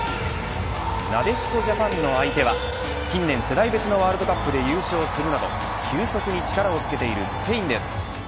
なでしこジャパンの相手は近年世代別のワールドカップで優勝するなど急速に力をつけているスペインです。